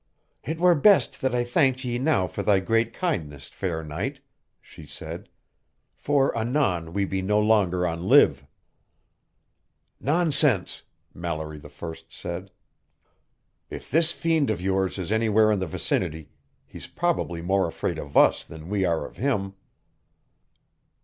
"It were best that I thanked ye now for thy great kindness, fair knight," she said, "for anon we be no longer on live." "Nonsense!" Mallory I said. "If this fiend of yours is anywhere in the vicinity, he's probably more afraid of us than we are of him."